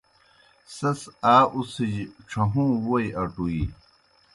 سیْس آ اُڅِھجیْ ڇھہُوں ووئی اٹُویی۔